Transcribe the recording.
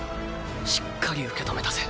しっかり受け止めたぜ。